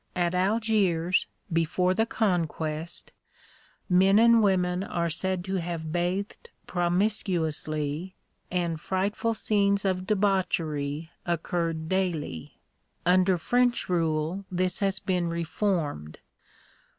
At Algiers, before the conquest, men and women are said to have bathed promiscuously, and frightful scenes of debauchery occurred daily. Under French rule this has been reformed.